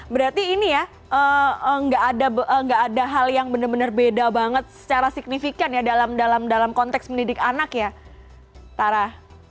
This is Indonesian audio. berarti ini ya nggak ada hal yang benar benar beda banget secara signifikan ya dalam konteks mendidik anak ya tara